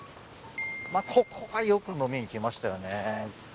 まあここがよく飲みに来ましたよね。